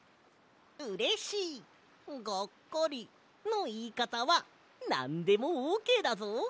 「うれしい」「がっかり」のいいかたはなんでもオーケーだぞ！